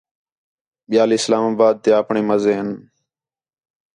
ٻِیال اِسلام آباد تے آپݨے مزے ہِن